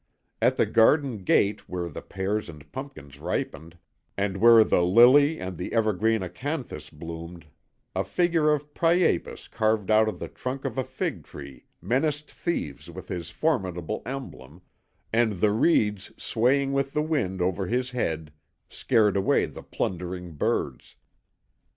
At the garden gate where the pears and pumpkins ripened, and where the lily and the evergreen acanthus bloomed, a figure of Priapus carved out of the trunk of a fig tree menaced thieves with his formidable emblem, and the reeds swaying with the wind over his head scared away the plundering birds.